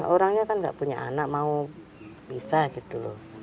orangnya kan tidak punya anak mau bisa gitu